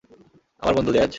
আমরা বন্ধু, জ্যাজ।